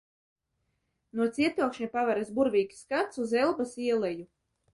No cietokšņa paveras burvīgs skats uz Elbas ieleju.